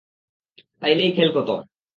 তাহলেই খেল খতম।